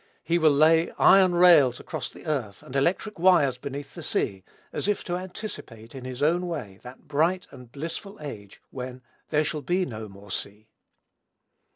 He will lay iron rails across the earth, and electric wires beneath the sea, as if to anticipate, in his own way, that bright and blissful age when "there shall be no more sea."